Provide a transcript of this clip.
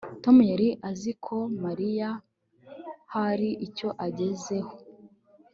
Tom yari azi ko Mariya hari icyo agezeho